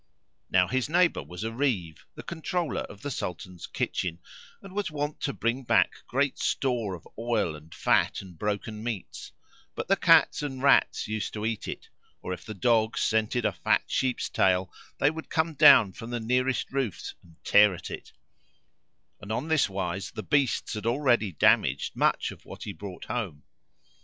Now his neighbour was a Reeve, the controller of the Sultan's kitchen, and was wont to bring back great store of oil and fat and broken meats; but the cats and rats used to eat it, or, if the dogs scented a fat sheep's tail they would come down from the nearest roofs and tear at it; and on this wise the beasts had already damaged much of what he brought home.